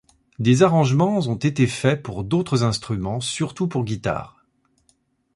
Des arrangements ont été faits pour d'autres instruments, surtout pour guitare.